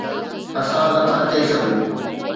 اسان نٿا چئي سگهون.